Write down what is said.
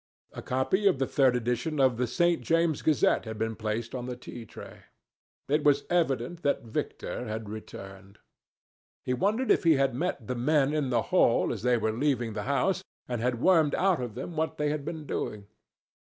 A copy of the third edition of The St. James's Gazette had been placed on the tea tray. It was evident that Victor had returned. He wondered if he had met the men in the hall as they were leaving the house and had wormed out of them what they had been doing.